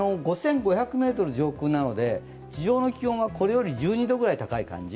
ｍ上空なので地上の気温がこれより１２度くらい高い感じ。